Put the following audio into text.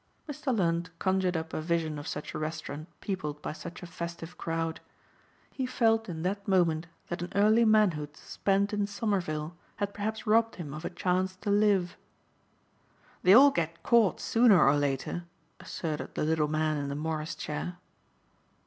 Mr. Lund conjured up a vision of such a restaurant peopled by such a festive crowd. He felt in that moment that an early manhood spent in Somerville had perhaps robbed him of a chance to live. "They all get caught sooner or later," asserted the little man in the morris chair.